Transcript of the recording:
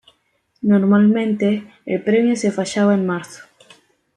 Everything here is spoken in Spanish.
Normalmente, el premio se fallaba en marzo.